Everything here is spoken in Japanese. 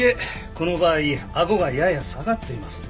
この場合あごがやや下がっています。